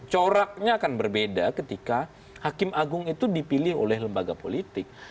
coraknya akan berbeda ketika hakim agung itu dipilih oleh lembaga politik